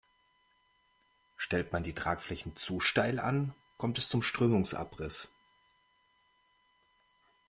Stellt man die Tragflächen zu steil an, kommt es zum Strömungsabriss.